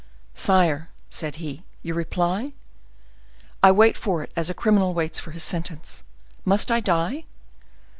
"Sire," said he, "your reply? I wait for it as a criminal waits for his sentence. Must I die?"